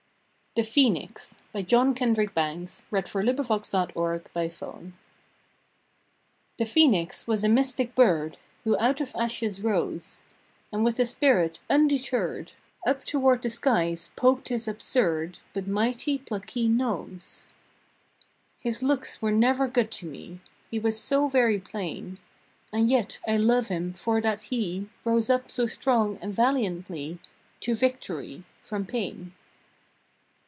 ur journey run, Will come at last into our own. September Sixth THE PHCENIX Phoenix was a mystic bird Who out of ashes rose, And with a spirit undeterred Up toward the skies poked his absurd But mighty plucky nose. His looks were never good to me, He was so very plain, And yet I love him for that he Rose up so strong and valiantly To victory from pain.